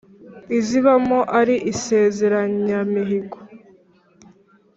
izibamo ari insezeranyamihigo